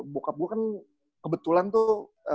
bokap gue kan kebetulan tuh